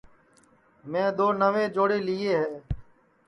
میں دؔو نئوے جوڑے لئیے ہے